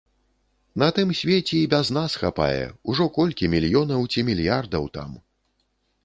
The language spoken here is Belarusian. На тым свеце і без нас хапае, ужо колькі мільёнаў ці мільярдаў там.